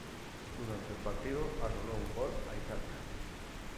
Durante el partido anuló un gol a Italia.